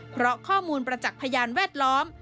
เพราะข้อมูลประจักษ์พยานแวดล้อม